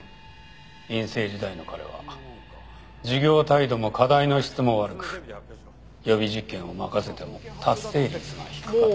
院生時代の彼は授業態度も課題の質も悪く予備実験を任せても達成率が低かった。